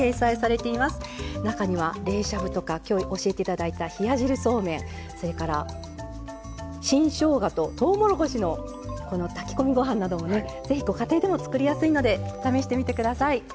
中には冷しゃぶとかきょう教えていただいた冷や汁そうめんそれから新しょうがととうもろこしの炊き込みご飯などもねぜひご家庭でも作りやすいので試してみてください。